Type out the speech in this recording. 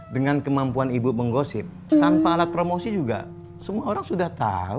dengan kemampuan ibu menggosip tanpa alat promosi juga semua orang sudah tahu